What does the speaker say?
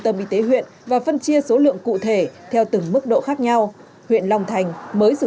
tâm y tế huyện và phân chia số lượng cụ thể theo từng mức độ khác nhau huyện long thành mới dự